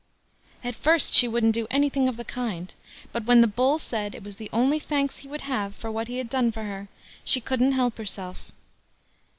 At first she wouldn't do anything of the kind; but when the Bull said it was the only thanks he would have for what he had done for her, she couldn't help herself.